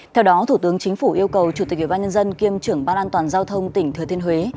theo đó thủ tướng chính phủ yêu cầu chủ tịch ủy ban nhân dân kiêm trưởng ban an toàn giao thông tỉnh thừa thiên huế